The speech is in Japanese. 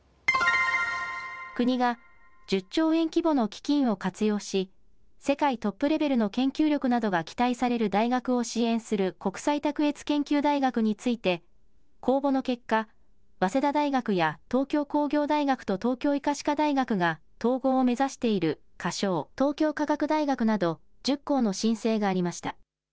国が１０兆円規模の基金を活用し世界トップレベルの研究力などが期待される大学を支援する国際卓越研究大学について公募の結果、早稲田大学や東京工業大学と東京医科歯科大学が統合を目指している仮称・東京科学大学など１０校の申請がありました。